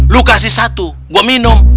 lo kasih satu gua minum